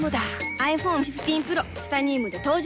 ｉＰｈｏｎｅ１５Ｐｒｏ チタニウムで登場